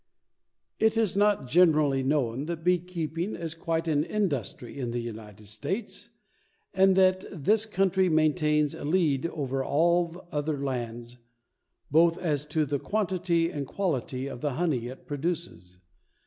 It is not generally known that beekeeping is quite an industry in the United States and that this country maintains a lead over all other lands both as to the quantity and quality of the honey it produces.